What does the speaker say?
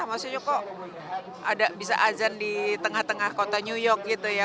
maksudnya kok ada bisa azan di tengah tengah kota new york gitu ya